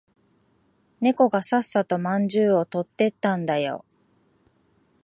猫がささっとまんじゅうを取ってったんだよ。